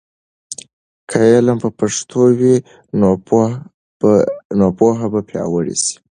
که علم په پښتو وي، نو پوهه به پیاوړې سي.